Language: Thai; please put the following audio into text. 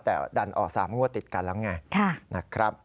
แต่ดันออก๓งวดติดกันแล้วไงนะครับ